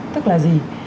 tức là gì